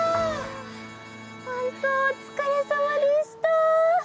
ほんとお疲れさまでした。